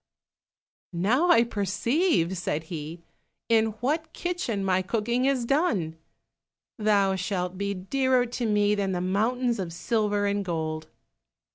"Now I perceive," said he, "in what kitchen my cooking is done. Thou shalt be dearer to me than the mountains of silver and gold."